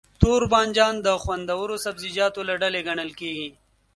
توربانجان د خوندورو سبزيجاتو له ډلې ګڼل کېږي.